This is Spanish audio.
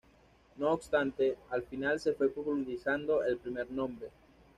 No obstante, al final se fue popularizando el primer nombre.